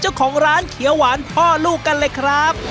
เจ้าของร้านเขียวหวานพ่อลูกกันเลยครับ